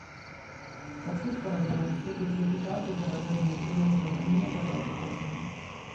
Per questa ragione, è stato criticato per avere un'imprudente "mania" per la riforma.